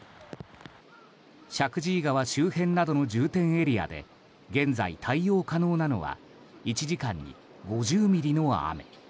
石神井川周辺などの重点エリアで現在、対応可能なのは１時間に５０ミリの雨。